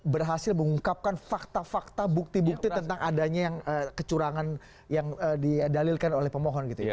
berhasil mengungkapkan fakta fakta bukti bukti tentang adanya kecurangan yang didalilkan oleh pemohon